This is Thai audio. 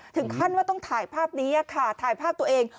ถึงขั้นว่าต้องถ่ายภาพนี้ค่ะถ่ายภาพตัวเอง